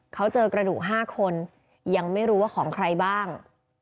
เขาเจอกระดูก๕คนยังไม่รู้ว่าของใครบ้าง